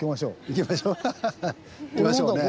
行きましょうね。